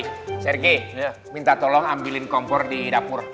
oke sergei minta tolong ambilin kompor di dapur